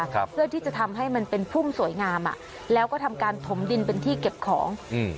เพื่อที่จะทำให้มันเป็นพุ่มสวยงามอ่ะแล้วก็ทำการถมดินเป็นที่เก็บของอืม